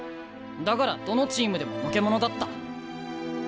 だからどのチームでものけ者だった。